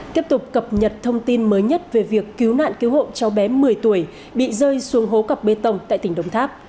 tiếp tục cập nhật thông tin mới nhất về việc cứu nạn cứu hộ cháu bé một mươi tuổi bị rơi xuống hố cập bê tông tại tỉnh đồng tháp